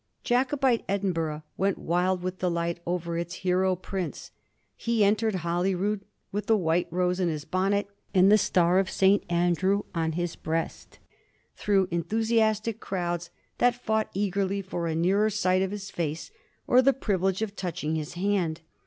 Jacobite Edinburgh went wild with delight over its hero prince. He entered Holyrood with the white rose in his bonnet and the star of Saint Andrew on his breast, through enthusiastic crowds that fought eagerly for a nearer sight of his face or the privilege of touching his hand.